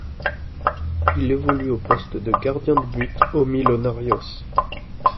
Il évolue au poste de gardien de but au Millonarios.